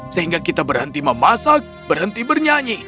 sehingga kita berhenti memasak berhenti bernyanyi